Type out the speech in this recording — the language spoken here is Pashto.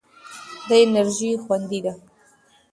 دا انرژي خوندي ده.